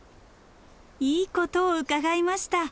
いいことを伺いました。